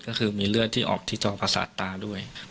ก็คือมีเลือดที่ออกที่จองประสาทตาด้วย